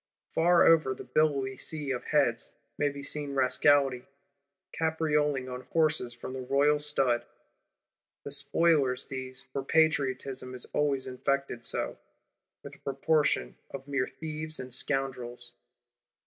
Far over the billowy sea of heads, may be seen Rascality, caprioling on horses from the Royal Stud. The Spoilers these; for Patriotism is always infected so, with a proportion of mere thieves and scoundrels.